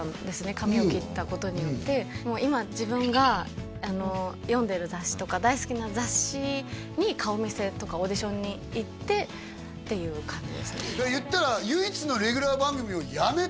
髪を切ったことによって今自分が読んでる雑誌とか大好きな雑誌に顔見せとかオーディションに行ってっていう感じですねいったらってことよ